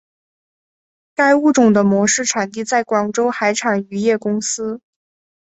该物种的模式产地在广州海产渔业公司。